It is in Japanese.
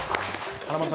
華丸さん